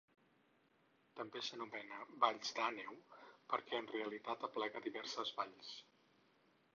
També s'anomena valls d'Àneu perquè en realitat aplega diverses valls.